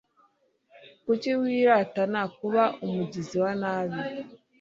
Kuki wiratana kuba umugizi wa nabi